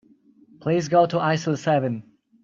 Please go to aisle seven.